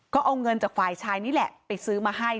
ก็เอาเงินจากฝ่ายชายนี่แหละไปซื้อมาให้